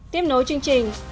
tiếp nối chương trình